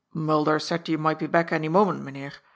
" Mulder said you might be back any moment, Mynheer.